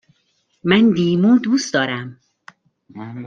من لیمو دوست دارم.